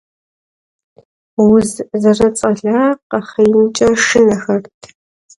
Уз зэрыцӀалэ къэхъеинкӀэ шынэхэрт.